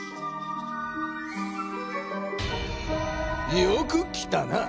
よく来たな！